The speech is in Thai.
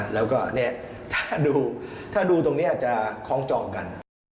แล้วก็เนี่ยถ้าดูตรงเนี่ยจะคล้องจอบกัน